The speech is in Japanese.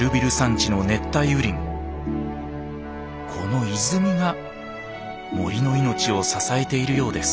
この泉が森の命を支えているようです。